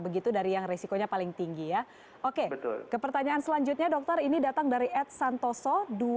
begitu dari yang resikonya paling tinggi ya oke thanksnya dokter ini datang dari ad santoso